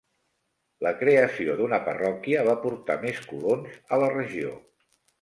La creació d'una parròquia va portar més colons a la regió.